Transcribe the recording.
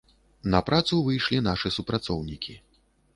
На працу выйшлі нашы супрацоўнікі.